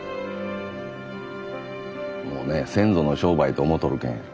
もうね先祖の商売と思うとるけん。